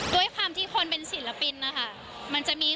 ทุกคนมันมี